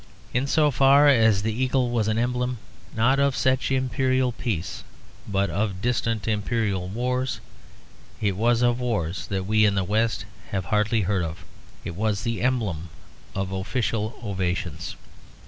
In so far as the eagle was an emblem not of such imperial peace but of distant imperial wars, it was of wars that we in the West have hardly heard of; it was the emblem of official ovations.